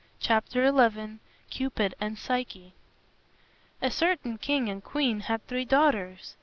CHAPTER XI CUPID AND PSYCHE A certain king and queen had three daughters.